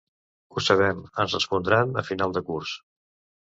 Ho sabem, ens respondran a final de curs.